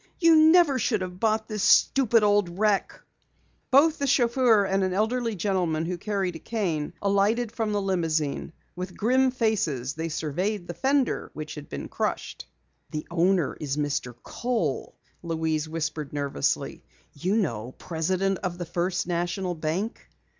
You never should have bought this stupid old wreck!" Both the chauffeur and an elderly gentleman who carried a cane, alighted from the limousine. With grim faces they surveyed the fender which had been crushed. "The owner is Mr. Kohl," Louise whispered nervously. "You know, president of the First National Bank."